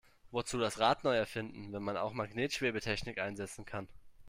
Wozu das Rad neu erfinden, wenn man auch Magnetschwebetechnik einsetzen kann?